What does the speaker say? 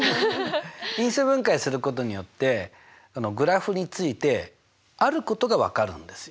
因数分解することによってグラフについてあることが分かるんですよ。